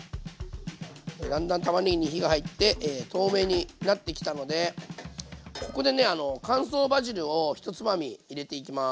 だんだんたまねぎに火が入って透明になってきたのでここでね乾燥バジルを１つまみ入れていきます。